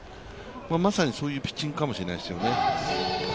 まさにそういうピッチングかもしれないですよね。